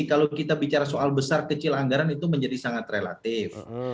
kalau kita bicara soal besar kecil anggaran itu menjadi sangat relatif